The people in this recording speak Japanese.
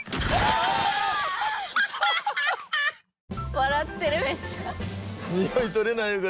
笑ってるめっちゃ。